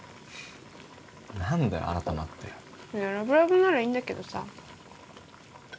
何だよ改まっていやラブラブならいいんだけどさ